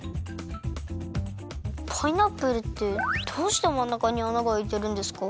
パイナップルってどうしてまんなかに穴があいてるんですか？